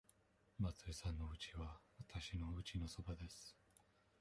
松井さんのうちはわたしのうちのそばです。